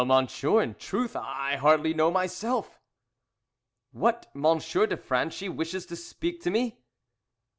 "Oh, monsieur, in truth I hardly know myself." "What M. de Franchi wishes to speak to me?"